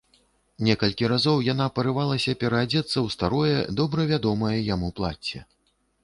Некалькі разоў яна парывалася пераадзецца ў старое, добра вядомае яму плацце.